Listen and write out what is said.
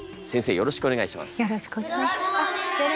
よろしくお願いします。